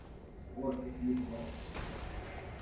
Ɣur-k ad k-iwet waḍu.